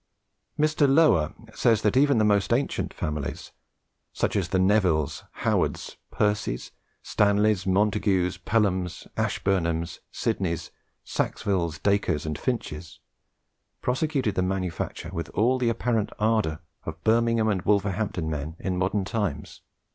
Mr. Lower says even the most ancient families, such as the Nevilles, Howards, Percys, Stanleys, Montagues, Pelhams, Ashburnhams, Sidneys, Sackvilles, Dacres, and Finches, prosecuted the manufacture with all the apparent ardour of Birmingham and Wolverhampton men in modern times.